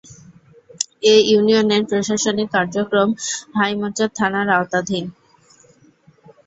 এ ইউনিয়নের প্রশাসনিক কার্যক্রম হাইমচর থানার আওতাধীন।